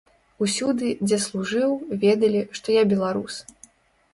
Усюды, дзе служыў, ведалі, што я беларус.